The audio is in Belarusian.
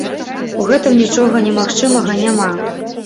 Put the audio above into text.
У гэтым нічога немагчымага няма!